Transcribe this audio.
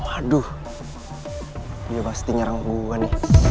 aduh dia pasti nyerang bunga nih